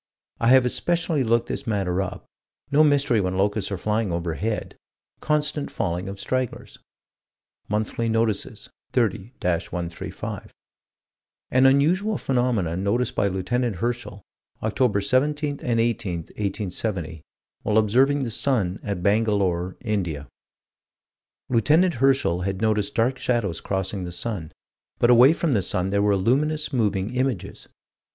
I have especially looked this matter up no mystery when locusts are flying overhead constant falling of stragglers. Monthly Notices, 30 135: "An unusual phenomenon noticed by Lieut. Herschel, Oct. 17 and 18, 1870, while observing the sun, at Bangalore, India." Lieut. Herschel had noticed dark shadows crossing the sun but away from the sun there were luminous, moving images.